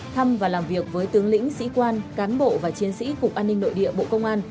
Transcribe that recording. thăm và làm việc với tướng lĩnh sĩ quan cán bộ và chiến sĩ cục an ninh nội địa bộ công an